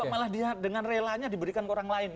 malah dia dengan relanya diberikan ke orang lain